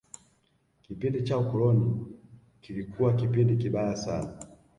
kipindi cha ukoloni kilikuwa kipindi kibaya sana